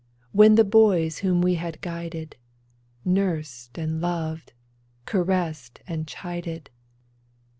When the boys whom we had guided, Nursed and loved, caressed and chided.